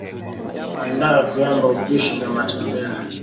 andaa viamba upishi vya matembele